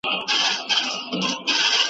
کله کله پر خپل ځای باندي درېږي .